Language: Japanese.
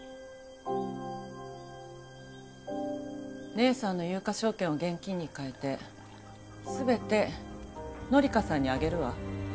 姉さんの有価証券を現金に換えて全て紀香さんにあげるわ。